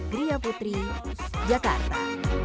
kria putri jakarta